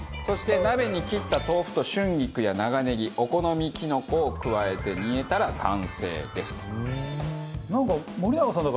そして鍋に切った豆腐と春菊や長ねぎお好みきのこを加えて煮えたら完成です。